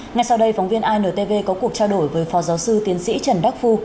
ngay sau đây phóng viên intv có cuộc trao đổi với phó giáo sư tiến sĩ trần đắc phu